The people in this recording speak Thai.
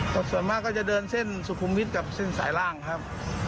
แต่ส่วนมากก็จะเดินเส้นสุขุมวิทย์กับเส้นสายล่างครับ